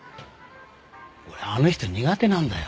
俺あの人苦手なんだよ。